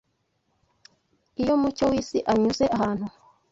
Iyo Mucyo w’isi anyuze ahantu